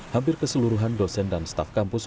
hampir keseluruhan dosen dan staf kampus